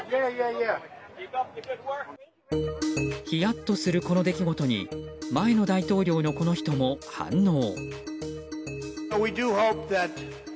ヒヤッとするこの出来事に前の大統領のこの人も反応。